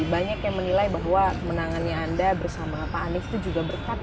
banyak yang menilai bahwa menangannya anda bersama pak anies itu juga berkat